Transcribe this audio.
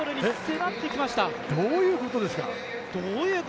どういうことですか？